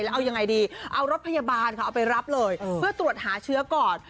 แล้วเอายังไงดีเอารถพยาบาลค่ะเอาไปรับเลยเพื่อตรวจหาเชื้อก่อน